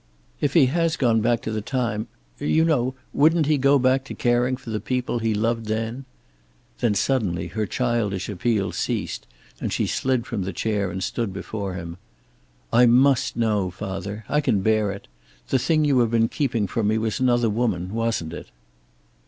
If he has gone back to the time you know, wouldn't he go back to caring for the people he loved then?" Then, suddenly, her childish appeal ceased, and she slid from the chair and stood before him. "I must know, father. I can bear it. The thing you have been keeping from me was another woman, wasn't it?"